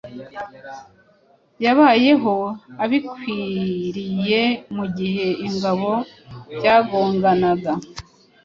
Yabayeho abikwiriyemugihe ingabo byagonganaga